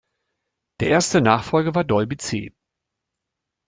Der erste Nachfolger war "Dolby C".